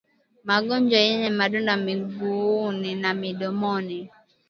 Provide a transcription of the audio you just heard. Magonjwa yenye madonda miguuni na midomoni